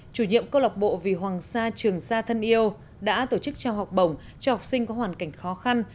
chủ nhiệm câu lọc bộ vì hoàng sa trường sa thân yêu đã tổ chức trao học bổng cho học sinh có hoàn cảnh khó khăn